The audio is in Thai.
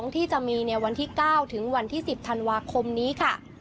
ที่จะมีในวันที่๙ถึงวันที่๑๐ธันวาคมนี้ค่ะ